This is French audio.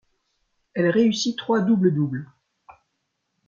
Elle réussit trois double-double.